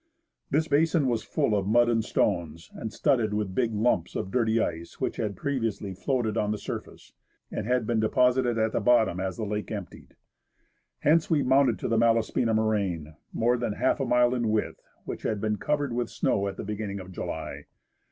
This basin was full of mud and stones, and studded with big lumps of dirty ice, which had previously floated on the surface, and had been deposited at the bottom as the lake emptied. Hence we mounted to the Malaspina moraine, more than half a mile in width, which had been covered with snow at the beginning of July.